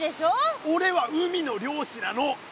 おれは海の漁師なの！